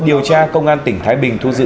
điều tra công an tỉnh thái bình thu giữ